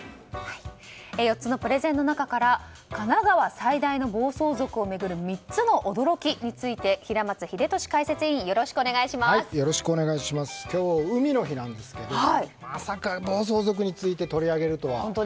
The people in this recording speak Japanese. ４つのプレゼンの中から神奈川最大の暴走族を巡る３つの驚きについて平松秀敏解説委員今日、海の日なんですけどまさか暴走族について取り上げるとは。